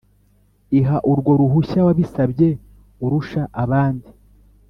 Iha urwo ruhushya wabisabye urusha abandi